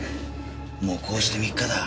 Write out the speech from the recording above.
もうこうして３日だ。